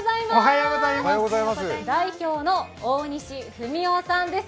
代表の大西文雄さんです。